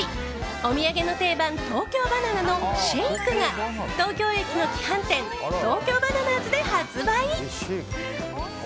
お土産の定番東京ばな奈のシェイクが東京駅の旗艦店東京ばな奈ｓで発売。